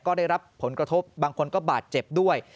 ก็ได้รับผลกระทบบางคนก็บาดเจ็บด้วย